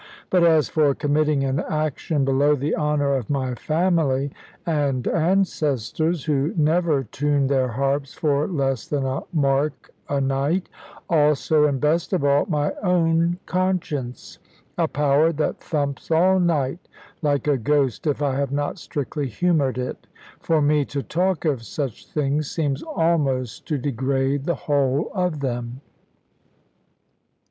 But as for committing an action below the honour of my family and ancestors (who never tuned their harps for less than a mark a night), also, and best of all, my own conscience a power that thumps all night like a ghost if I have not strictly humoured it, for me to talk of such things seems almost to degrade the whole of them.